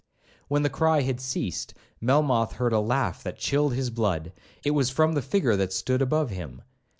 When the cry had ceased, Melmoth heard a laugh that chilled his blood. It was from the figure that stood above him.